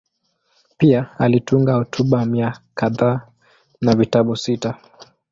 Pia alitunga hotuba mia kadhaa na vitabu sita.